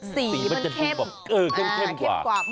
สีมันเข้มเข้มกว่า